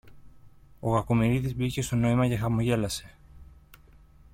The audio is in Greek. Ο Κακομοιρίδης μπήκε στο νόημα και χαμογέλασε